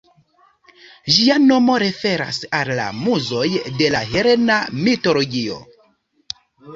Ĝia nomo referas al la Muzoj de la helena mitologio.